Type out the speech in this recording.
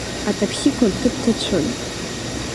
Атаксиқәа рҭыԥҭацәын.